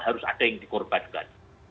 harus ada yang dikorbankan